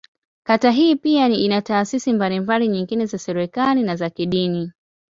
Kata hii pia ina taasisi mbalimbali nyingine za serikali, na za kidini.